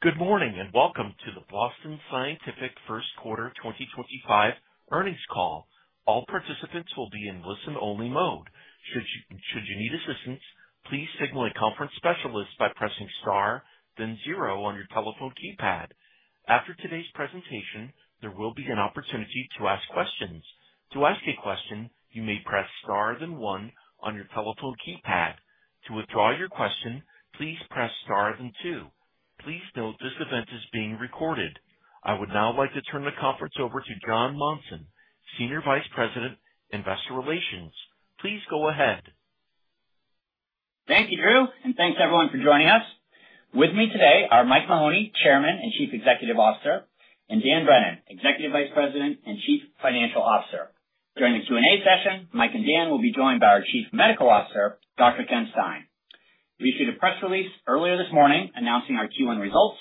Good morning and welcome to the Boston Scientific First Quarter 2025 Earnings Call. All participants will be in listen only mode. Should you need assistance, please signal a conference specialist by pressing Star then zero on your telephone keypad. After today's presentation, there will be an opportunity to ask questions. To ask a question, you may press star then one on your telephone keypad. To withdraw your question, please press star then two. Please note this event is being recorded. I would now like to turn the conference over to Jon Monson, Senior Vice President, Investor Relations. Please go ahead. Thank you, Drew. Thank you everyone for joining us. With me today are Mike Mahoney, Chairman and Chief Executive Officer, and Dan Brennan, Executive Vice President and Chief Financial Officer. During the Q&A session, Mike and Dan will be joined by our Chief Medical Officer, Dr. Ken Stein. We issued a press release earlier this morning announcing our Q1 results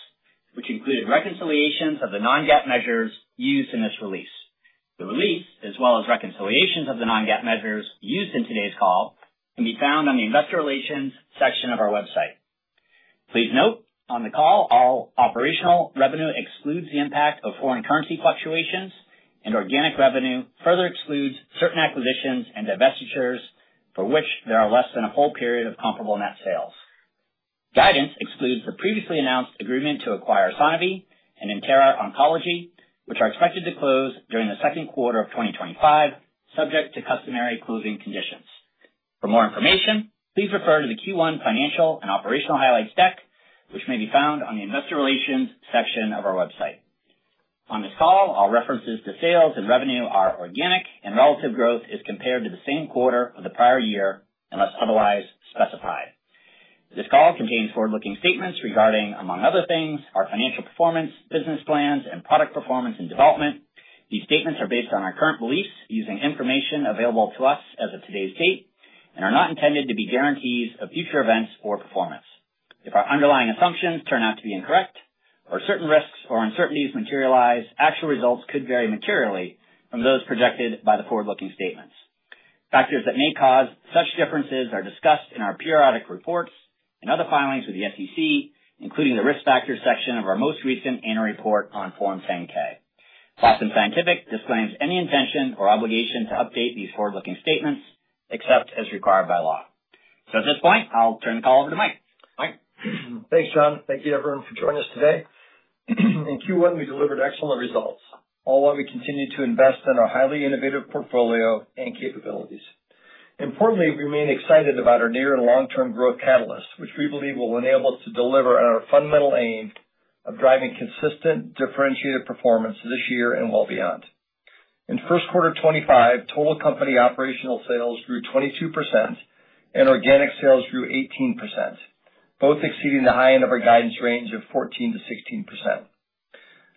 which included reconciliations of the non-GAAP measures used in this release. The release, as well as reconciliations of the non-GAAP measures used in today's call, can be found on the Investor Relations section of our website. Please note, on the call, all operational revenue excludes the impact of foreign currency fluctuations and organic revenue further excludes certain acquisitions and divestitures for which there are less than a full period of comparable net sales. Guidance excludes the previously announced agreement to acquire SoniVie and Intera Oncology, which are expected to close during the second quarter of 2025, subject to customary closing conditions. For more information, please refer to the Q1 financial and operational highlights deck which may be found on the Investor Relations section of our website. On this call, all references to sales and revenue are organic and relative growth is compared to the same quarter of the prior year unless otherwise specified. This call contains forward looking statements regarding, among other things, our financial performance, business plans and product performance and development. These statements are based on our current beliefs using information available to us as of today's date and are not intended to be guarantees of future events or performance. If our underlying assumptions turn out to be incorrect or certain risks or uncertainties materialize, actual results could vary materially from those projected by the forward-looking statements. Factors that may cause such differences are discussed in our periodic reports and other filings with the SEC, including the Risk Factors section of our most recent annual report on Form 10-K. Boston Scientific disclaims any intention or obligation to update these forward-looking statements except as required by law. At this point, I'll turn the call over to Mike. Mike? Thanks, Jon. Thank you everyone for joining us today in Q1. We delivered excellent results all while we continue to invest in our highly innovative portfolio and capabilities. Importantly, we remain excited about our near and long term growth catalyst which we believe will enable us to deliver on our fundamental aim of driving consistent differentiated performance this year and well beyond. In first quarter 2025 total company operational sales grew 22% and organic sales grew 18%, both exceeding the high end of our guidance range of 14-16%.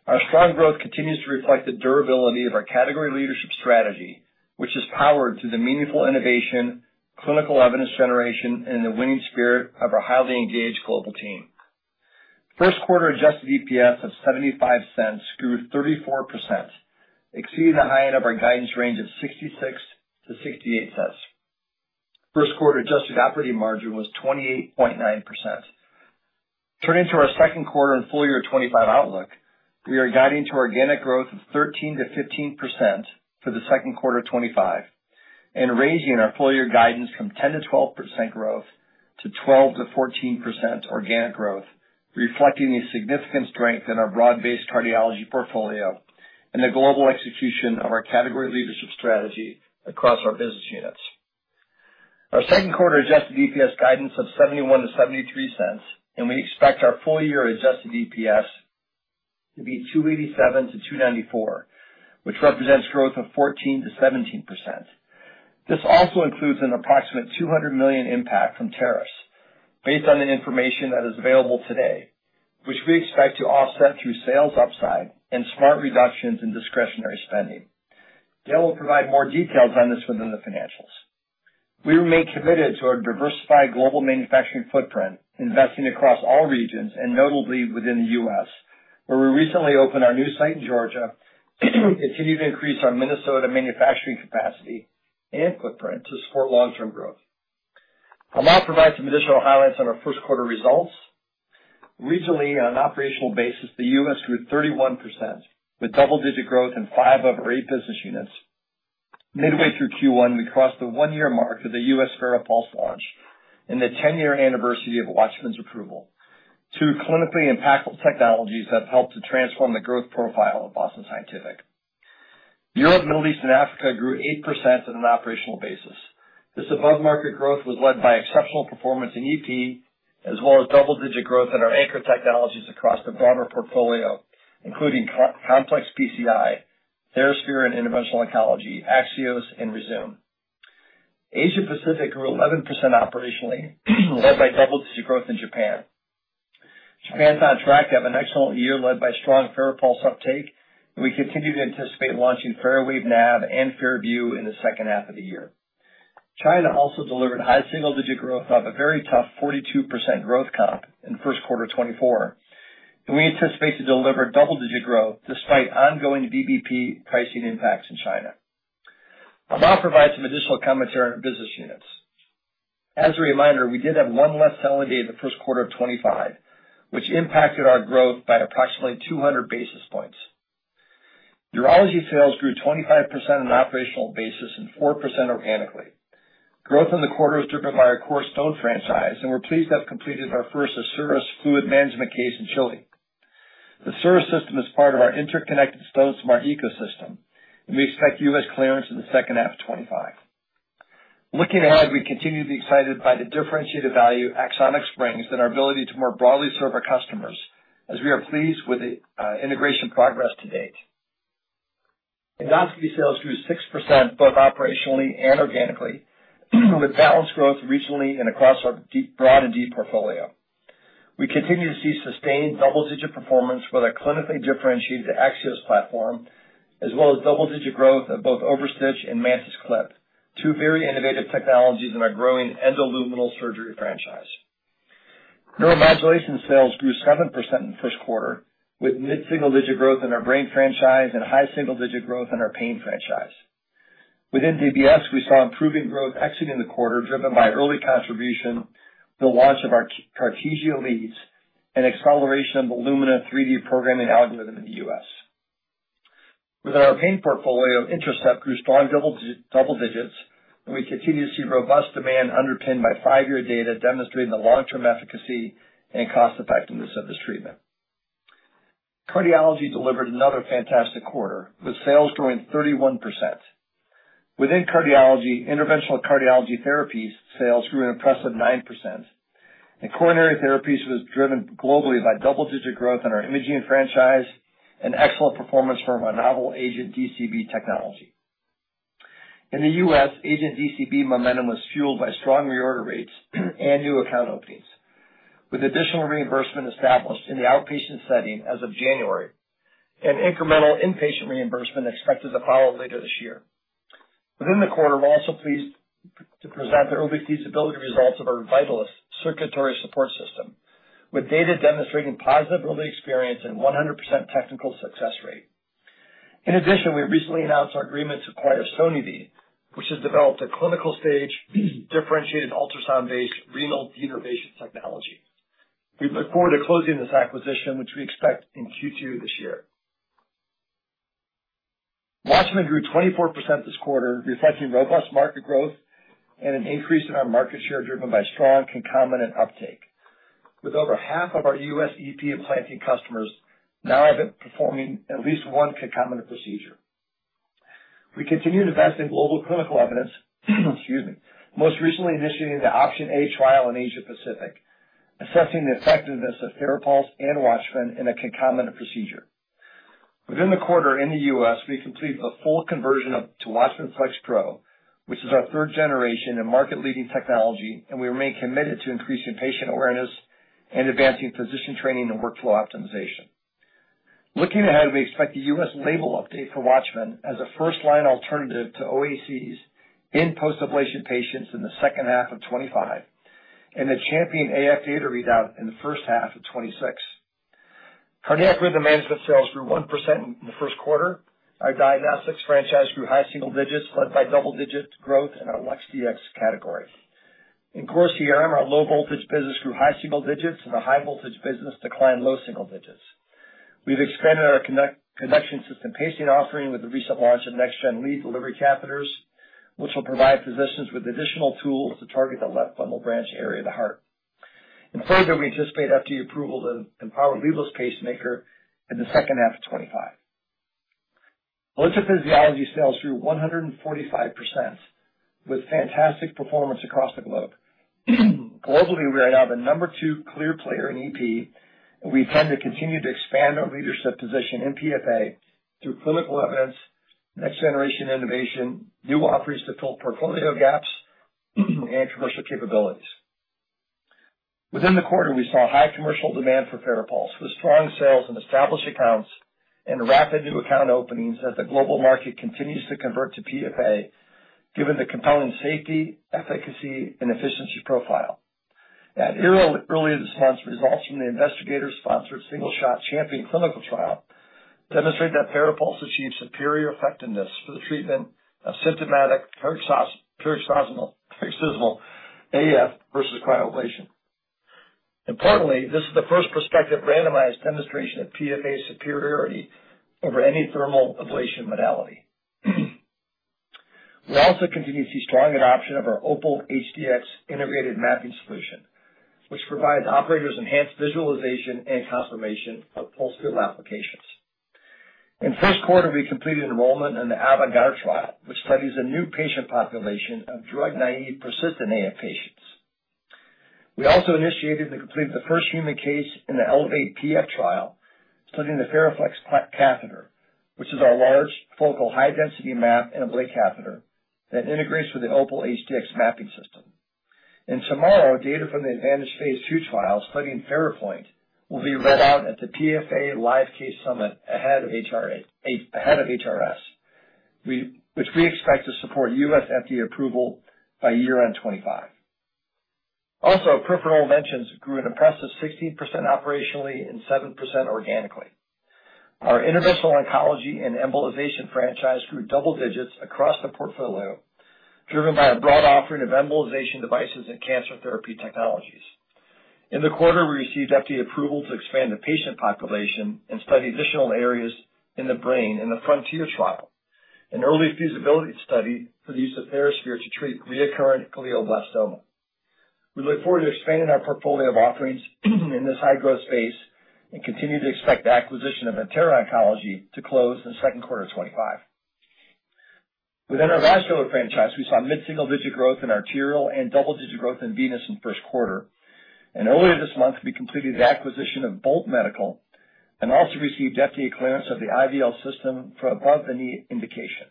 Our strong growth continues to reflect the durability of our category leadership strategy which is powered through the meaningful innovation, clinical evidence generation and the winning spirit of our highly engaged global team. First quarter adjusted EPS of $0.75 grew 34%, exceeding the high end of our guidance range of $0.66-$0.68. First quarter adjusted operating margin was 28.9%. Turning to our second quarter and full year 2025 outlook, we are guiding to organic growth of 13-15% for the second quarter 2025 and raising our full year guidance from 10-12% growth to 12-14% organic growth reflecting the significant strength in our broad based cardiology portfolio and the global execution of our category leadership strategy across our business units. Our second quarter adjusted EPS guidance of $0.71-$0.73 and we expect our full year adjusted EPS to be $2.87-$2.94 which represents growth of 14-17%. This also includes an approximate $200 million impact from tariffs based on the information that is available today which we expect to offset through sales upside and smart reductions in discretionary spending. Dan will provide more details on this within the financials. We remain committed to our diversified global manufacturing footprint, investing across all regions and notably within the U.S. where we recently opened our new site in Georgia. We continue to increase our Minnesota manufacturing capacity and footprint to support long term growth. I'll now provide some additional highlights on our first quarter results. Regionally, on an operational basis, the U.S. grew 31% with double-digit growth in five of our eight business units. Midway through Q1, we crossed the one year mark of the U.S. FARAPULSE launch and the ten year anniversary of WATCHMAN's approval. Two clinically impactful technologies have helped to transform the growth profile of Boston Scientific. Europe, Middle East and Africa grew 8% on an operational basis. This above market growth was led by exceptional performance in EP as well as double-digit growth in our anchor technologies across the broader portfolio including complex PCI, TheraSphere and interventional oncology, Axios, and Rezum. Asia Pacific grew 11% operationally led by double-digit growth in Japan. Japan's on track to have an excellent year led by strong FARAPULSE uptake and we continue to anticipate launching FARAWAVE NAV and FARAVIEW in the second half of the year. China also delivered high single-digit growth off a very tough 42% growth comp in first quarter 2024 and we anticipate to deliver double-digit growth despite ongoing VBP pricing impacts in China. I'll now provide some additional commentary on our business units. As a reminder, we did have one less selling day in 1Q25 which impacted our growth by approximately 200 basis points. Urology sales grew 25% on an operational basis and 4% organically. Growth in the quarter was driven by our Core Stone franchise and we are pleased to have completed our first Asurys fluid management case in Chile. The Asurys system is part of our interconnected StoneSmart ecosystem and we expect U.S. clearance in second half 25. Looking ahead, we continue to be excited by the differentiated value Axonics brings and our ability to more broadly serve our customers as we are pleased with the integration progress to date. Endoscopy sales grew 6% both operationally and organically with balanced growth regionally and across our broad and deep portfolio. We continue to see sustained double-digit performance with our clinically differentiated Axios platform as well as double-digit growth of both OverStitch and MANTIS Clip, two very innovative technologies in our growing endoluminal surgery franchise. Neuromodulation sales grew 7% in the first quarter with mid single digit growth in our brain franchise and high single digit growth in our pain franchise. Within DBS we saw improving growth exiting the quarter driven by early contribution, the launch of our Cartesia leads and acceleration of the Illumina 3D programming algorithm in the U.S. Within our pain portfolio Intracept grew strong double digits and we continue to see robust demand underpinned by five year data demonstrating the long term efficacy and cost effectiveness of this treatment. Cardiology delivered another fantastic quarter with sales growing 31%. Within cardiology, interventional cardiology therapies sales grew an impressive 9% and coronary therapies was driven globally by double digit growth in our imaging franchise and excellent performance from a novel AGENT DCB technology. In the U.S., AGENT DCB momentum was fueled by strong reorder rates and new account openings with additional reimbursement established in the outpatient setting as of January and incremental inpatient reimbursement expected to follow later this year. Within the quarter, we're also pleased to present the early feasibility results of our VITALYST Circulatory Support System with data demonstrating positive early experience and 100% technical success rate. In addition, we recently announced our agreement to acquire SoniVie, which has developed a clinical stage differentiated ultrasound based renal denervation technology. We look forward to closing this acquisition which we expect in Q2 this year. WATCHMAN grew 24% this quarter reflecting robust market growth and an increase in our market share driven by strong concomitant uptake with over half of our U.S. EP implanting customers now performing at least one concomitant procedure. We continue to invest in global clinical evidence. Excuse me, most recently initiating the OPTION-A trial in Asia Pacific assessing the effectiveness of FARAPULSE and WATCHMAN in a concomitant procedure. Within the quarter in the U.S. we completed the full conversion to WATCHMAN FLX Pro which is our third generation and market leading technology and we remain committed to increasing patient awareness and advancing physician training and workflow optimization. Looking ahead, we expect the U.S. label update for WATCHMAN as a first line alternative to OACs in post ablation patients in 2H25 and the CHAMPION-AF data readout in 1H26. Cardiac rhythm management sales grew 1% in the first quarter, our diagnostics franchise grew high single digits led by double digit growth in our LUX-Dx category. In Core CRM, our low voltage business grew high single digits and the high voltage business declined low single digits. We've expanded our conduction system pacing offering with the recent launch of Next-gen lead delivery catheters, which will provide physicians with additional tools to target the left bundle branch area of the heart, and further, we anticipate FDA approval to EMPOWER leadless pacemaker in 2H25. Electrophysiology sales grew 145% with fantastic performance across the globe. Globally, we are now the number two clear player in EP, and we intend to continue to expand our leadership position in PFA through clinical evidence, next-generation innovation, new offerings to fill portfolio gaps, and commercial capabilities. Within the quarter, we saw high commercial demand for FARAPULSE with strong sales in established accounts and rapid new account openings as the global market continues to convert to PFA. Given the compelling safety, efficacy and efficiency profile at EHRA earlier this month, results from the investigator-sponsored SINGLE SHOT CHAMPION clinical trial demonstrate that FARAPULSE achieves superior effectiveness for the treatment of symptomatic paroxysmal AF versus cryoablation. Importantly, this is the first prospective randomized demonstration of PFA superiority over any thermal ablation modality. We also continue to see strong adoption of our OPAL HDx integrated mapping solution which provides operators enhanced visualization and confirmation of pulse field applications. In first quarter we completed enrollment in the AVANT GUARD trial which studies a new patient population of drug-naive persistent AF patients. We also initiated and completed the first human case in the ELEVATE-IPF trial, including the FARAFLEX catheter which is our large focal high-density mapping and ablation catheter that integrates with the OPAL HDx mapping system. Tomorrow, data from the ADVANTAGE phase II trials studying FARAPULSE will be read out at the PFA Live Case Summit ahead of HRS, which we expect to support U.S. FDA approval by year end 2025. Also, peripheral interventions grew an impressive 16% operationally and 7% organically. Our interventional oncology and embolization franchise grew double digits across the portfolio, driven by a broad offering of embolization devices and cancer therapy technologies. In the quarter, we received FDA approval to expand the patient population and study additional areas in the brain in the Frontier trial, an early feasibility study for the use of TheraSphere to treat recurrent glioblastoma. We look forward to expanding our portfolio of offerings in this high growth space and continue to expect the acquisition of Intera Oncology to close in second quarter 2025. Within our vascular franchise we saw mid single digit growth in arterial and double digit growth in venous in the first quarter, and earlier this month we completed the acquisition of Volta Medical and also received FDA clearance of the IVL system for above the knee indication.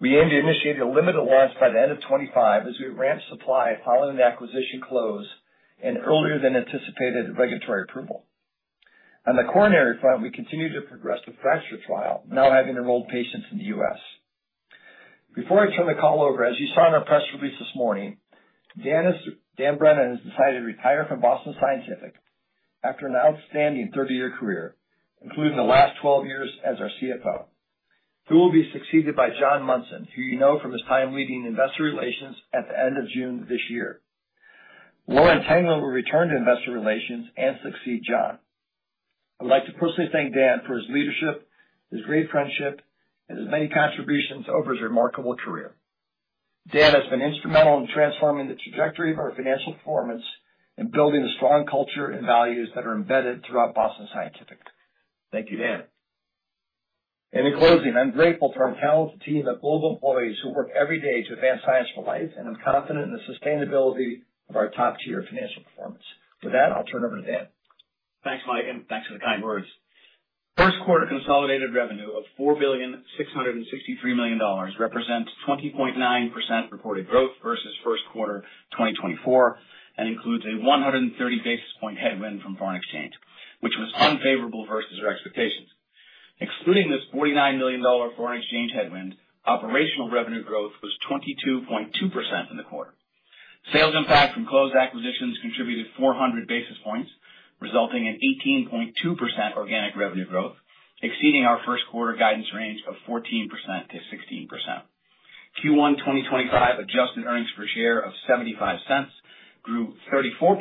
We aim to initiate a limited launch by the end of 2025 as we ramp supply following the acquisition close and earlier than anticipated regulatory approval. On the coronary front, we continue to progress the FRACTURE Trial, now having enrolled patients in the U.S. Before I turn the call over, as you saw in our press release this morning, Dan Brennan has decided to retire from Boston Scientific after an outstanding 30 year career, including the last 12 years as our CFO, who will be succeeded by Jon Monson, who you know from his time leading investor relations. At the end of June this year, Lauren Tengler will return to investor relations and succeed Jon. I would like to personally thank Dan for his leadership, his great friendship and his many contributions over his remarkable career. Dan has been instrumental in transforming the trajectory of our financial performance and building a strong culture and values that are embedded throughout Boston Scientific. Thank you Dan and in closing, I'm grateful to our talented team of global employees who work every day to advance science for life and I'm confident in the sustainability of our top tier financial performance. With that, I'll turn over to Dan. Thanks Mike, and thanks for the kind words. First quarter consolidated revenue of $4,663,000,000 represents 20.9% reported growth versus first quarter 2024 and includes a 130 basis point headwind from foreign exchange which was unfavorable versus our expectations. Excluding this $49,000,000 foreign exchange headwind, operational revenue growth was 22.2% in the quarter. Sales impact from closed acquisitions contributed 400 basis points resulting in 18.2% organic revenue growth exceeding our first quarter guidance range of 14%-16%. Q1 2025 adjusted earnings per share of $0.75 grew 34%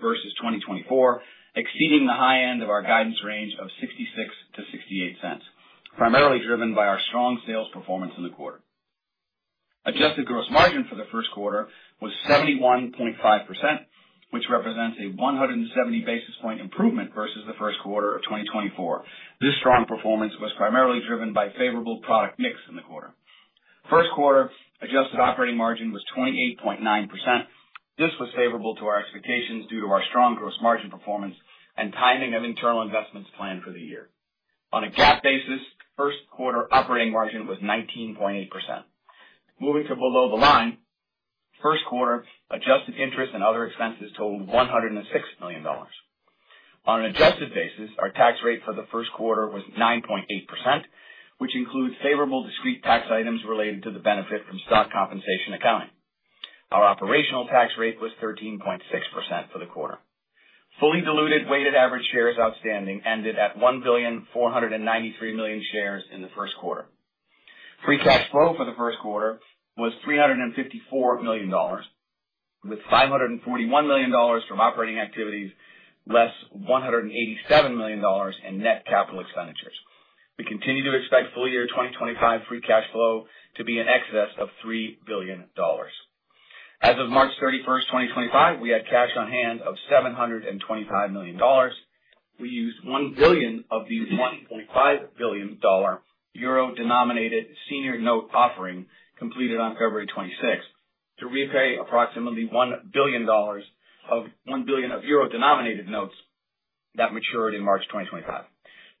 versus 2024, exceeding the high end of our guidance range of $0.66-$0.68, primarily driven by our strong sales performance in the quarter. Adjusted gross margin for the first quarter was 71.5% which represents a 170 basis point improvement versus the first quarter of 2024. This strong performance was primarily driven by favorable product mix in the quarter. First quarter adjusted operating margin was 28.9%. This was favorable to our expectations due to our strong gross margin performance and timing of internal investments planned for the year. On a GAAP basis, first quarter operating margin was 19.8%. Moving to below the line, first quarter adjusted interest and other expenses totaled $106 million on an adjusted basis. Our tax rate for the first quarter was 9.8% which includes favorable discrete tax items related to the benefit from stock compensation accounting. Our operational tax rate was 13.6% for the quarter. Fully diluted weighted average shares outstanding ended at 1,493,000,000 shares in the first quarter. Free cash flow for the first quarter was $354,000,000 with $541,000,000 from operating activities less $187,000,000 in net capital expenditures. We continue to expect full year 2025 free cash flow to be in excess of $3 billion. As of March 31, 2025, we had cash on hand of $725 million. We used $1 billion of these €1.5 billion euro denominated senior note offering completed on February 26 to repay approximately $1 billion of €1 billion of euro denominated notes that matured in March 2025.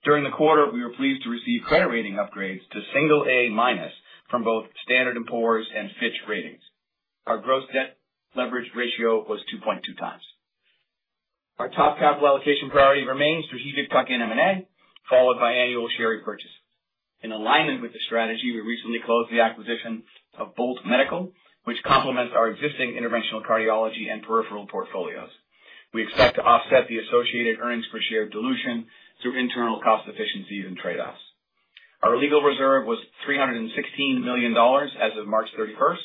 During the quarter we were pleased to receive credit rating upgrades to single A from both Standard and Poor's and Fitch Ratings. Our gross debt leverage ratio was 2.2 times. Our top capital allocation priority remains strategic tuck in M&A followed by annual share repurchases. In alignment with the strategy, we recently closed the acquisition Volta Medical, which complements our existing interventional, cardiology and peripheral portfolios. We expect to offset the associated earnings per share dilution through internal cost efficiencies and trade offs. Our legal reserve was $316 million as of March 31,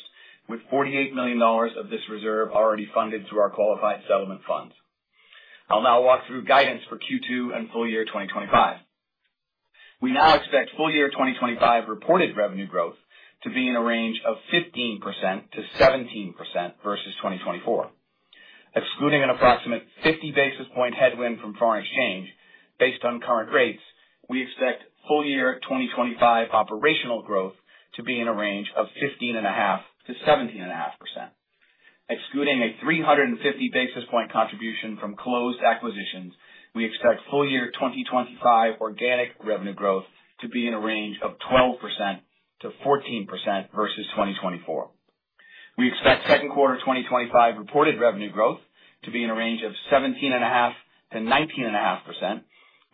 with $48 million of this reserve already funded through our qualified settlement funds. I'll now walk through guidance for Q2 and full year 2025. We now expect full year 2025 reported revenue growth to be in a range of 15%-17% versus 2024 excluding an approximate 50 basis point headwind from foreign exchange. Based on current rates, we expect full year 2025 operational growth to be in a range of 15.5%-17.5% excluding a 350 basis point contribution from closed acquisitions. We expect full year 2025 organic revenue growth to be in a range of 12%-14% versus 2024. We expect second quarter 2025 reported revenue growth to be in a range of 17.5%-19.5%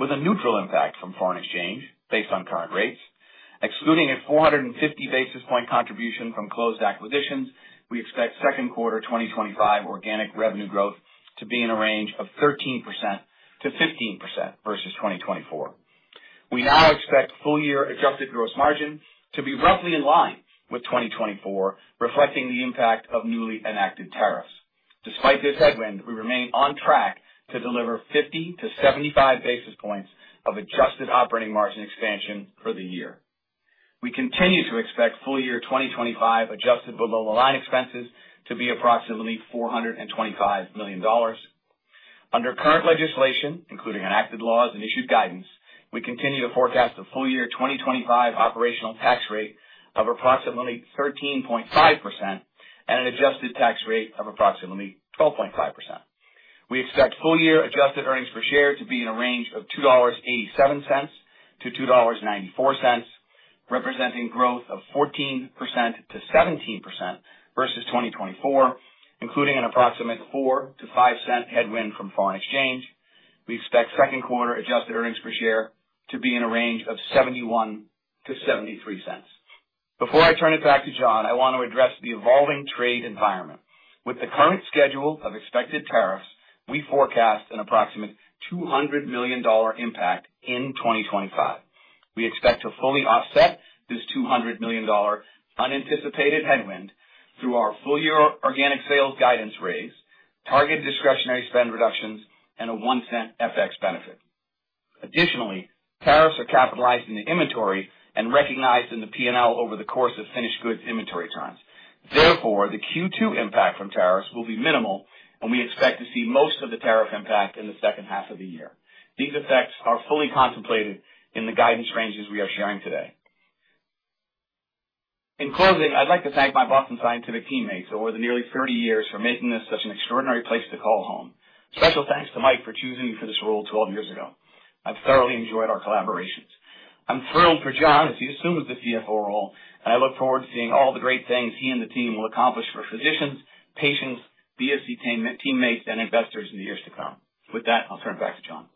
with a neutral impact from foreign exchange based on current rates. Excluding a 450 basis point contribution from closed acquisitions, we expect second quarter 2025 organic revenue growth to be in a range of 13%-15% versus 2024. We now expect full year adjusted gross margin to be roughly in line with 2024, reflecting the impact of newly enacted tariffs. Despite this headwind, we remain on track to deliver 50-75 basis points of adjusted operating margin expansion for the year. We continue to expect full year 2025 adjusted below the line expenses to be approximately $425 million under current legislation, including enacted laws and issued guidance. We continue to forecast the full year 2025 operational tax rate of approximately 13.5% and an adjusted tax rate of approximately 12.5%. We expect full year adjusted earnings per share to be in a range of $2.87-$2.94 representing growth of 14%-17% versus 2024, including an approximate $0.04-$0.05 headwind from foreign exchange. We expect second quarter adjusted earnings per share to be in a range of $0.71-$0.73. Before I turn it back to Jon, I want to address the evolving trade environment with the current schedule of expected tariffs. We forecast an approximate $200 million impact in 2025. We expect to fully offset this $200 million unanticipated headwind through our full year organic sales guidance raise, target discretionary spend reductions, and a $0.01 FX benefit. Additionally, tariffs are capitalized in the inventory and recognized in the P&L over the course of finished goods inventory times. Therefore, the Q2 impact from tariffs will be minimal and we expect to see most of the tariff impact in the second half of the year. These effects are fully contemplated in the guidance ranges we are sharing today. In closing, I'd like to thank my Boston Scientific teammates over the nearly 30 years for making this such an extraordinary place to call home. Special thanks to Mike for choosing me for this role 12 years ago. I've thoroughly enjoyed our collaborations. I'm thrilled for Jon as he assumes the CFO role and I look forward to seeing all the great things he and the team will accomplish for physicians, patients, BSC teammates and investors in the years to come. With that, I'll turn it back to Jon.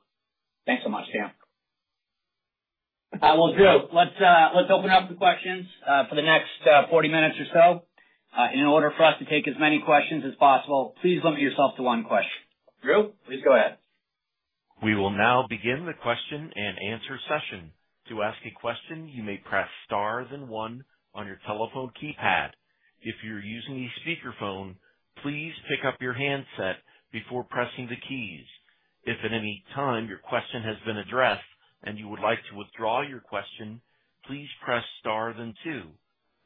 Thanks so much, Dan. Let's open up the questions. For the next 40 minutes or so. In order for us to take as many questions as possible, please limit yourself to one question. Drew, please go ahead. We will now begin the question and answer session. To ask a question, you may press Star, then one on your telephone keypad. If you're using a speakerphone, please pick up your handset before pressing the keys. If at any time your question has been addressed and you would like to withdraw your question, please press Star then two.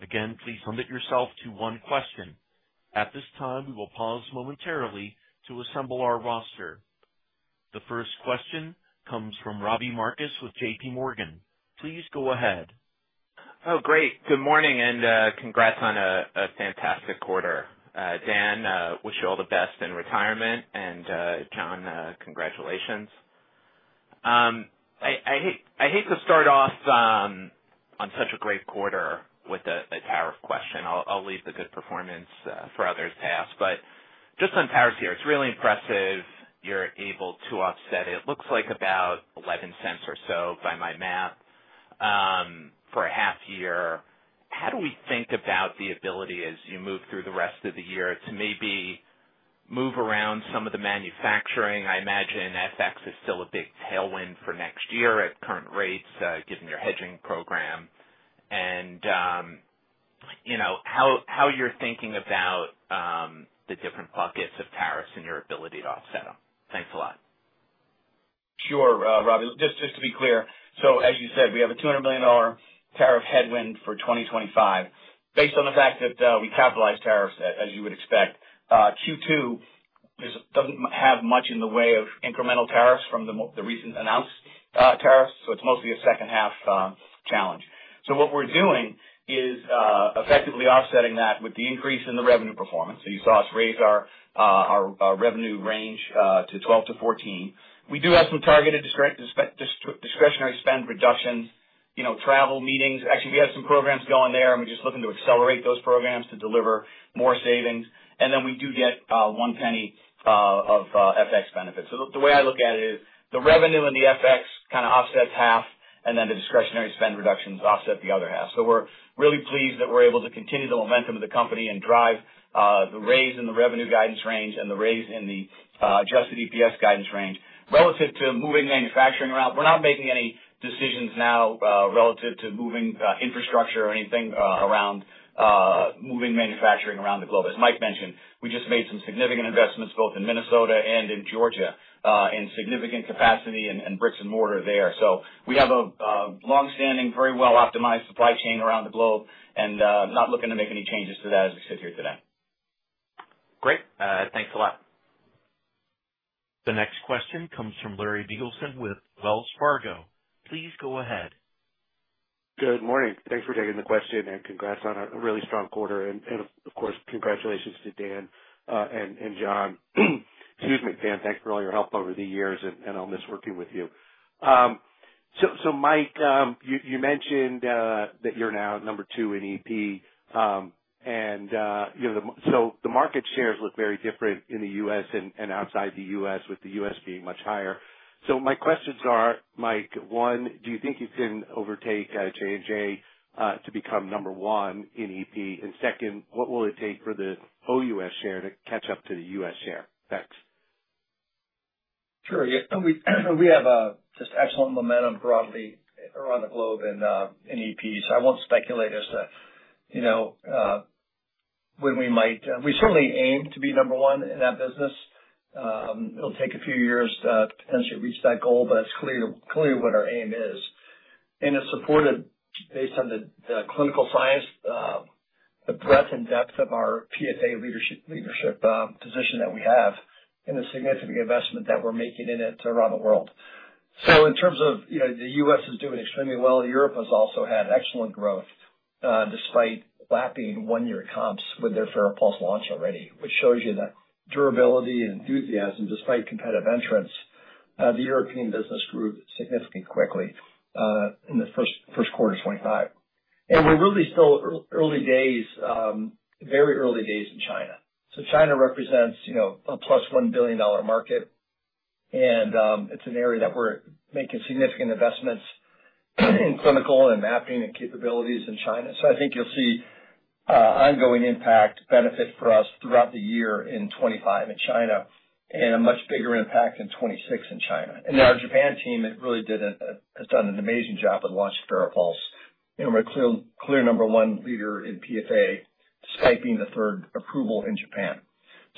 Again, please limit yourself to one question at this time. We will pause momentarily to assemble our roster. The first question comes from Robbie Marcus with JP Morgan. Please go ahead. Oh great. Good morning and congrats on a fantastic quarter. Dan, wish you all the best in retirement. Jon, congratulations. I hate to start off on such a great quarter with a tariff question. I'll leave the good performance for others to ask. Just on tariffs here, it's really impressive. You're able to offset, it looks like about $0.11 or so by my math for a half year. How do we think about the ability as you move through the rest of the year to maybe move around some of the manufacturing? I imagine FX is still a big tailwind for next year at current rates given your hedging program and you know, how you're thinking about the different buckets of tariffs and your ability to offset them. Thanks a lot. Sure, Robbie, just to be clear, as you said, we have a $200 million tariff headwind for 2025 based on the fact that we capitalized tariffs as you would expect. Q2 does not have much in the way of incremental tariffs from the recent announced tariffs. It is mostly a second half challenge. What we are doing is effectively offsetting that with the increase in the revenue performance. You saw us raise our revenue range to $12 billion-$14 billion. We do have some targeted discretionary spend reductions, travel meetings, actually we have some programs going there and we are just looking to accelerate those programs to deliver more savings and then we do get one penny of FX benefits. The way I look at it is the revenue and the FX kind of offsets half and the discretionary spend reductions offset the other half. We're really pleased that we're able to continue the momentum of the company and drive the raise in the revenue guidance range and the raise in the adjusted EPS guidance range relative to moving manufacturing around. We're not making any decisions now relative to moving infrastructure or anything around moving manufacturing around the globe. As Mike mentioned, we just made some significant investments both in Minnesota and in Georgia in significant capacity and bricks and mortar there. We have a long standing, very well optimized supply chain around the globe and not looking to make any changes to that as we sit here today. Great, thanks a lot. The next question comes from Larry Biegelsen with Wells Fargo. Please go ahead. Good morning. Thanks for taking the question and congrats. On a really strong quarter and off. Course, congratulations to Dan and Jon. Excuse me, Dan. Thanks for all your help over the. Years and I'll miss working with you. Mike, you mentioned that you're now number two in EP and so the. Market shares look very different in the. U.S. and outside the U.S. with the U.S. being much higher. My questions are, Mike, one, do. You think you can overtake Johnson & Johnson to become number one in EP? Second, what will it take for the OUS share to catch up to the U.S. share? Thanks. Sure. We have just excellent momentum broadly around the globe in EP. I won't speculate as to, you know, when we might. We certainly aim to be number one in that business. It'll take a few years to potentially reach that goal, but that's clearly, clearly what our aim is and it's supported based on the clinical science, the breadth and depth of our PFA leadership position that we have and the significant investment that we're making in IT around the world. In terms of, you know, the U.S. is doing extremely well. Europe has also had excellent growth despite lapping one year comps with their FARAPULSE launch already, which shows you that durability and enthusiasm despite competitive entrants. The European business grew significantly quickly in the first quarter 2025 and we're really still early days, very early days in China. China represents, you know, a plus $1 billion market and it's an area that we're making significant investments in clinical and mapping and capabilities in China. I think you'll see ongoing impact benefit for us throughout the year in 2025 in China and a much bigger impact in 2026 in China. Our Japan team really has done an amazing job with launching FARAPULSE. We're clear number one leader in PFA despite being the third approval in Japan.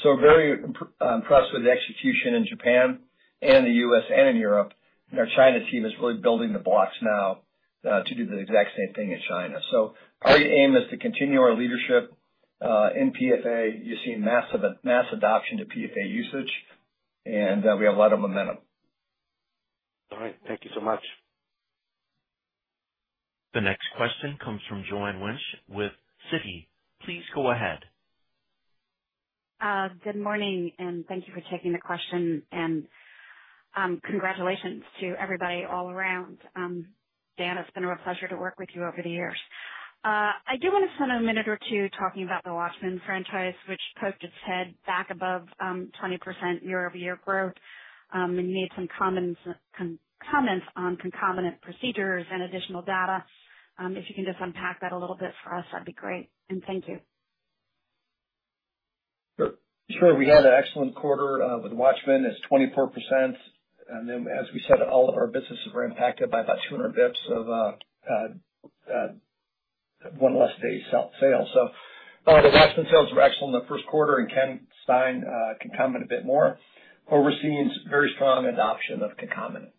We're very impressed with the execution in Japan and the U.S. and in Europe. Our China team is really building the blocks now to do the exact same thing in China. Our aim is to continue our leadership in PFA. You're seeing mass adoption to PFA usage and we have a lot of momentum. All right, thank you so much. The next question comes from Joanne Wuensch with Citi. Please go ahead. Good morning and thank you for taking the question and congratulations to everybody all around. Dan, it's been a real pleasure to work with you over the years. I do want to spend a minute or two talking about the WATCHMAN franchise which poked its head back above 20% year over year growth and made some comments on concomitant procedures and additional data. If you can just unpack that a little bit for us, that'd be great and thank you. Sure. We had an excellent quarter with WATCHMAN. It's 24% and then as we said, all of our businesses were impacted by about 200 basis points of one less day sale. The WATCHMAN sales were excellent in the first quarter and Ken Stein can comment a bit more. Overseeing very strong adoption of Concomitant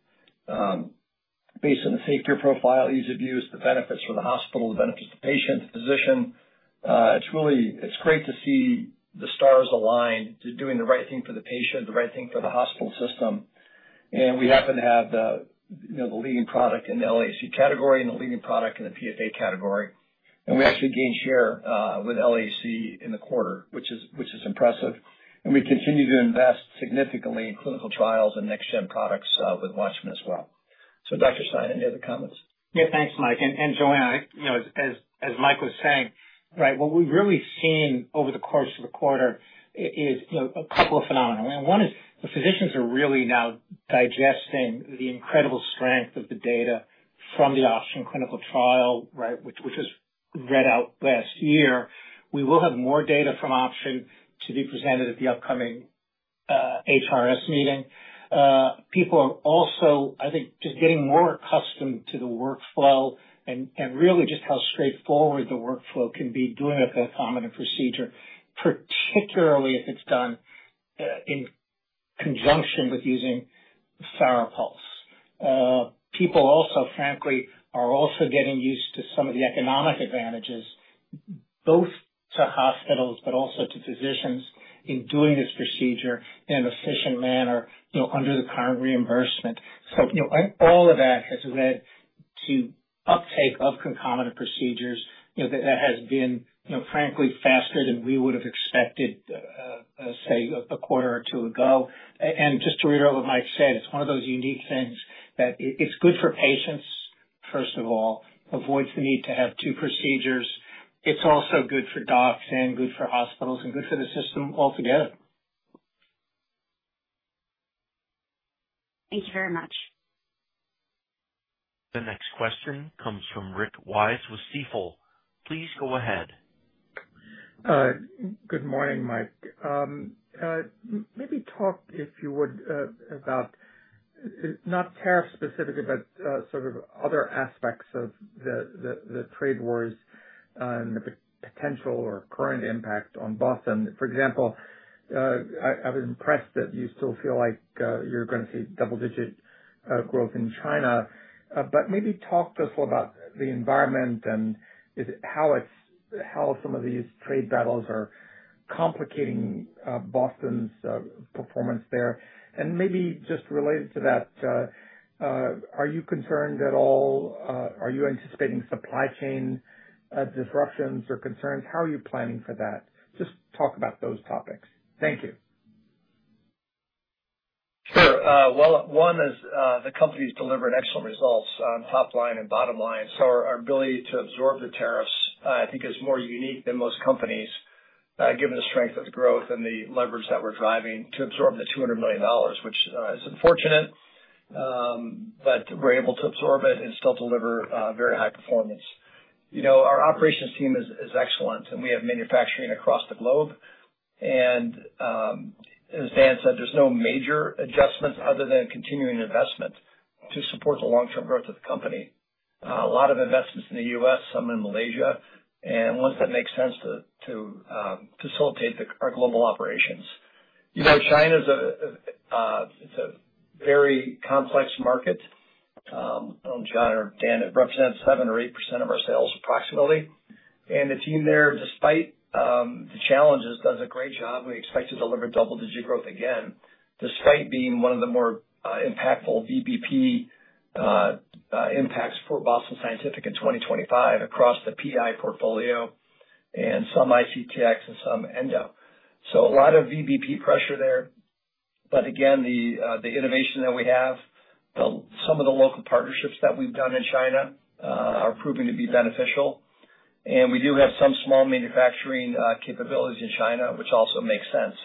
based on the safe care profile, ease of use, the benefits for the hospital, the benefits to patients, physician. It's really, it's great to see the stars aligned to doing the right thing for the patient, the right thing for the hospital system. We happen to have the leading product in the LAAC category and the leading product in the PFA category. We actually gained share with LAAC in the quarter, which is impressive and we continue to invest significantly in clinical trials and next gen products with WATCHMAN as well. Dr. Stein, any other comments? Yeah, thanks Mike and Joanne. As Mike was saying, right. What we've really seen over the course of the quarter is a couple of phenomena. One is the physicians are really now digesting the incredible strength of the data from the OPTION clinical trial, which was read out last year. We will have more data from OPTION to be presented at the upcoming HRS meeting. People are also, I think, just getting more accustomed to the workflow and really just how straightforward the workflow can be doing a fathometer procedure, particularly if it's done in conjunction with using FARAPULSE. People also frankly are also getting used to some of the economic advantages both to hospitals but also to physicians in doing this procedure in an efficient manner under the current reimbursement. All of that has led to uptake of concomitant procedures that has been frankly faster than we would have expected, say a quarter or two ago. Just to reiterate what Mike said, it's one of those unique things that it's good for patients, first of all, avoids the need to have two procedures. It's also good for docs and good for hospitals and good for the system altogether. Thank you very much. The next question comes from Rick Wise with Stifel. Please go ahead. Good morning, Mike. Maybe talk, if you would, about not tariffs specifically, but sort of other aspects. Of the trade wars and the potential or current impact on Boston Scientific. For example, I was impressed that you still feel like you're going to see double-digit growth in China. Maybe talk to us about the environment and how some of these trade battles are complicating Boston Scientific's performance there. Maybe just related to that, are you concerned at all? Are you anticipating supply chain disruptions or concerns? How are you planning for that? Just talk about those topics. Thank you. Sure. One is the company's delivering excellent results top line and bottom line. Our ability to absorb the tariffs I think is more unique than most companies given the strength of the growth and the leverage that we're driving to absorb the $200 million, which is unfortunate, but we're able to absorb it and still deliver very high performance. You know, our operations team is excellent and we have manufacturing across the globe. As Dan said, there's no major adjustments other than continuing investment to support the long term growth of the company. A lot of investments in the U.S., some in Malaysia, and ones that make sense to facilitate our global operations. You know, China's a, it's a very complex market, Jon or Dan. It represents 7% or 8% of our sales proximally and the team there, despite the challenges, does a great job. We expect to deliver double digit growth again despite being one of the more impactful VBP impacts for Boston Scientific in 2025 across the PI portfolio and some ICTx and some endo. A lot of VBP pressure there. The innovation that we have, some of the local partnerships that we've done in China are proving to be beneficial and we do have some small manufacturing capabilities in China which also makes sense.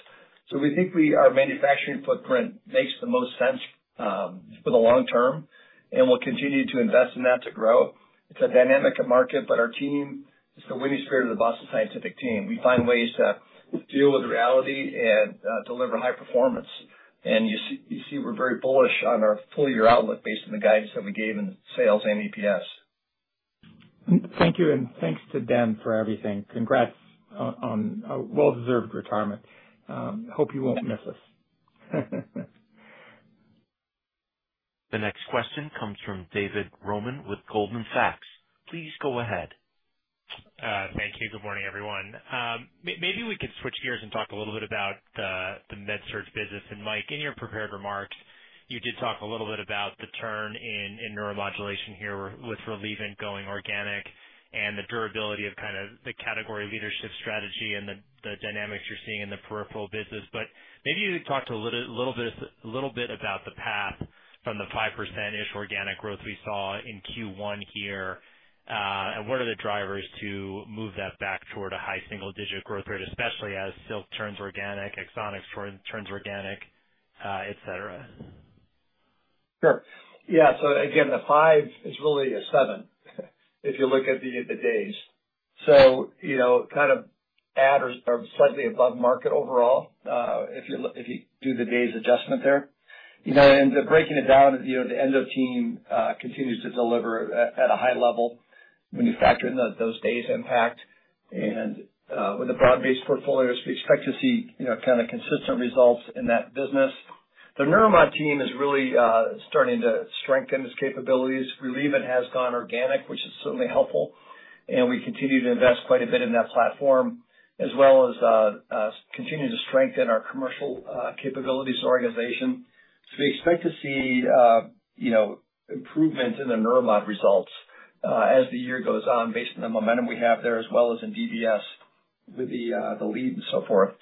We think our manufacturing footprint makes the most sense for the long term and we'll continue to invest in that to grow. It's a dynamic market but our team is the winning spirit of the Boston Scientific team. We find ways to deal with reality and deliver high performance. You see we're very bullish on our full year outlook based on the guidance that we gave in sales and eps. Thank you and thanks to Dan for everything. Congrats on a well deserved retirement. Hope you won't miss us. The next question comes from David Roman with Goldman Sachs. Please go ahead. Thank you. Good morning everyone. Maybe we could switch gears and talk a little bit about the MedSurg business. And Mike, in your prepared remarks, you did talk a little bit about the turn in neuromodulation here with Relievant going organic and the durability of kind of the category leadership strategy and the dynamics you're seeing in the peripheral business. Maybe you could talk a little bit about the path from the 5% ish organic growth we saw in Q1 here, and what are the drivers to move that back toward a high single digit growth rate especially as Silk Road Medical turns organic, Axonics turns organic, et cetera. Sure, yeah. Again, the 5 is really a 7 if you look at the days. Kind of at or slightly above market overall if you do the days adjustment there and breaking it down. The Endo team continues to deliver at a high level when you factor in those days impact and with the broad-based portfolio we expect to see kind of consistent results in that business. The Neuromod team is really starting to strengthen its capabilities. We believe it has gone organic which is certainly helpful and we continue to invest quite a bit in that platform as well as continue to strengthen our commercial capabilities organization. We expect to see improvements in the Neuromod results as the year goes on based on the momentum we have there as well as in DBS with the lead and so forth.